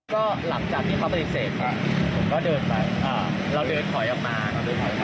ก็หลังจากที่เขาปฏิเสธก็เดินไปเราเดินถอยออกมา